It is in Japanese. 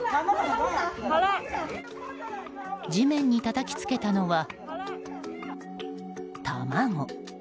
地面にたたきつけたのは卵。